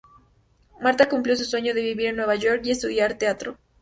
Marta cumplió su sueño de vivir en Nueva York y estudiar teatro.